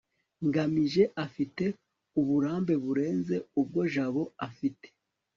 ngamije afite uburambe burenze ubwo jabo afite